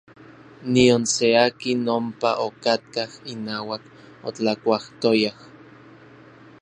Nion se akin ompa okatkaj inauak otlakuajtoyaj.